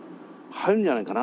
入るんじゃないかな？